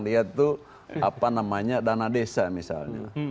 lsm sekarang itu apa namanya dana desa misalnya